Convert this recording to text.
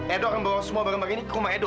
edo akan bawa semua barang barang ini ke rumah edo